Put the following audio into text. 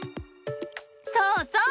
そうそう！